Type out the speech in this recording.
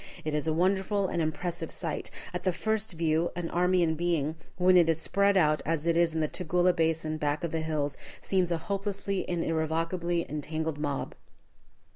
It is a wonderful and impressive sight. At the first view, an army in being, when it is spread out as it is in the Tugela basin back of the hills, seems a hopelessly and irrevocably entangled mob.